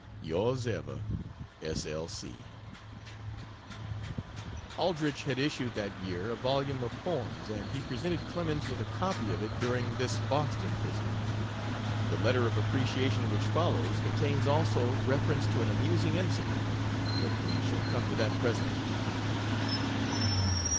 Yrs ever, S. L. C. Aldrich had issued that year a volume of poems, and he presented Clemens with a copy of it during this Boston visit. The letter of appreciation which follows contains also reference to an amusing incident; but we shall come to that presently.